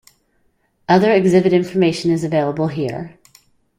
Other exhibit information is available here.